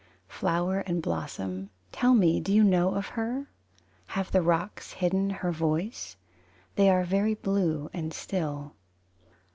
Flower and blossom, tell me do you know of her? Have the rocks hidden her voice? They are very blue and still.